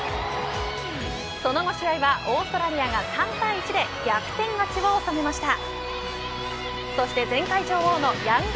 その後試合はオーストラリアが３対１で逆転勝ちを収めました。